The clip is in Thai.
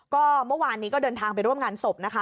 ก็เมื่อวานนี้ก็เดินทางไปร่วมงานศพนะคะ